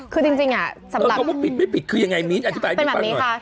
เขาไม่ผิดคือยังไงมีดอธิบายดีปั๊บหน่อย